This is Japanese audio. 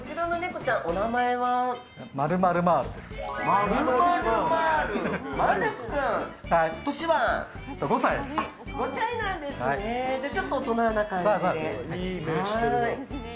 ちょっと大人な感じで。